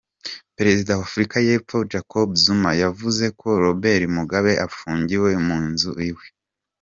Perezida wa Afrika Yepfo Jacob Zuma yavuze ko Robert Mugabe apfungiwe mu nzu iwe.